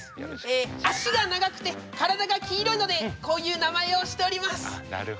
脚が長くて体が黄色いのでこういう名前をしております。